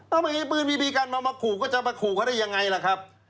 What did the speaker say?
เอาไม่มีปืนบีบีกันมาขู่ก็จะมาขู่เขาได้ยังไงล่ะครับ